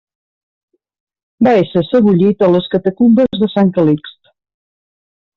Va ésser sebollit a les catacumbes de Sant Calixt.